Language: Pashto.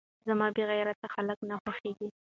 زما بې غيرته خلک نه خوښېږي .